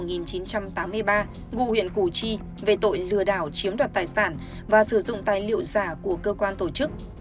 ngụ huyện củ chi về tội lừa đảo chiếm đoạt tài sản và sử dụng tài liệu giả của cơ quan tổ chức